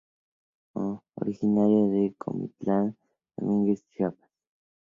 Originario de Comitán de Domínguez, Chiapas.